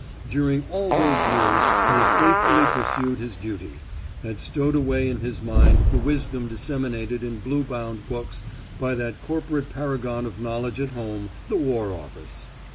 During all those years he had faithfully pursued his duty, had stowed away in his mind the wisdom disseminated in blue bound books by that corporate paragon of knowledge at home, the war office.